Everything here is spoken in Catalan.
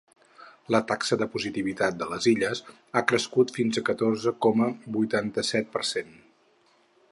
La taxa de positivitat a les Illes ha crescut fins al catorze coma vuitanta-set per cent.